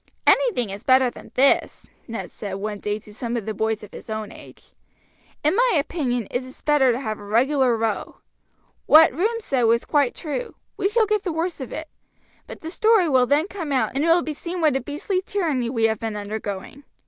"Anything is better than this," Ned said one day to some of the boys of his own age. "In my opinion it's better to have a regular row. What Room said was quite true; we shall get the worst of it; but the story will then come out, and it will be seen what a beastly tyranny we have been undergoing.